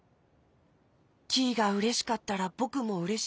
キイがうれしかったらぼくもうれしい。